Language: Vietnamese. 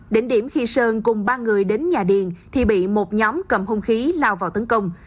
đỉnh điểm khi sơn cùng ba người đến nhà điền thì bị một nhóm cầm hung khí lao vào tấn công